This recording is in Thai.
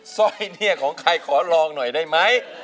สร้อยเนี่ยของใครขอลองหน่อยได้ไหม